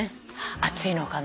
暑いのかな？